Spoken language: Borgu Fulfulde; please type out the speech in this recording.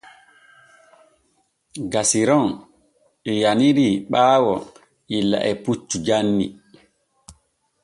Gasiron yaniri ɓaayo illa e puccu janni.